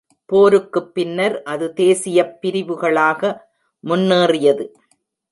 போருக்குப் பின்னர் அது தேசியப் பிரிவுகளாக முன்னேறியது.